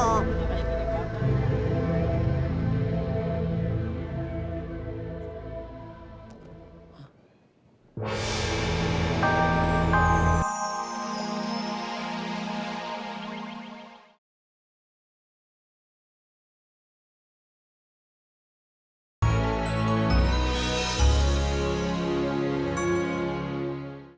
ya baik baik saja